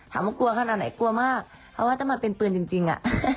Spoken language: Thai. ถามว่ากลัวขนาดไหนกลัวมากเพราะว่าต้องมาเป็นปืนจริง